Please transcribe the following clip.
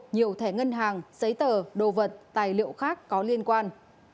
nhiều thẻ ngân hàng giấy tờ đồ vật tài liệu khác có liên quan